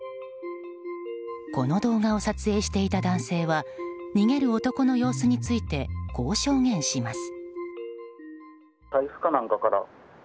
この動画を撮影していた男性は逃げる男の様子についてこう証言します。